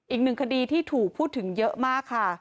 อีกหนึ่งคดีที่ถูกพูดถึงเยอะมากค่ะ